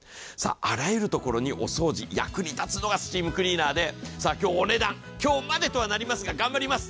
あらゆるところにお掃除、役に立つのがスチームクリーナーで今日、お値段、今日までとはなりますが頑張ります。